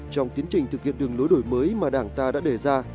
trong tiến trình thực hiện đường lối đổi mới mà đảng ta đã đề ra